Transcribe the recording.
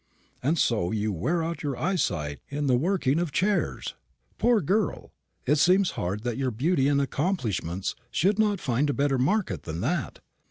"And so you wear out your eyesight in the working of chairs. Poor girl! it seems hard that your beauty and accomplishments should not find a better market than that.